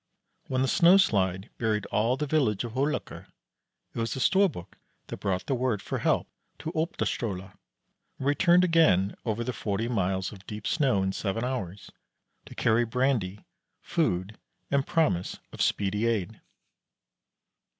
When the snow slide buried all the village of Holaker, it was the Storbuk that brought the word for help to Opdalstole and returned again over the forty miles of deep snow in seven hours, to carry brandy, food, and promise of speedy aid.